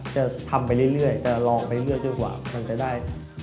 จะทำไปเรื่อยแต่รอไปเรื่อยจนกว่ามันจะได้